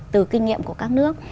từ kinh nghiệm của các nước